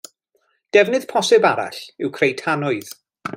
Defnydd posibl arall yw creu tanwydd.